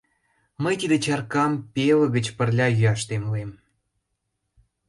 Мый тиде чаркам пелыгыч пырля йӱаш темлем.